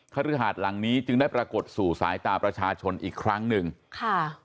ฤหาสหลังนี้จึงได้ปรากฏสู่สายตาประชาชนอีกครั้งหนึ่งค่ะ